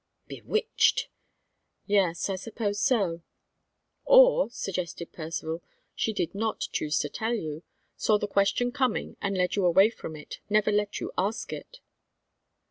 "Bewitched!" "Yes, I suppose so." "Or," suggested Percivale, "she did not choose to tell you; saw the question coming, and led you away from it; never let you ask it."